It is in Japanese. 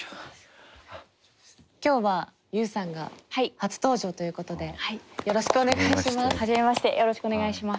今日はＵさんが初登場ということでよろしくお願いします。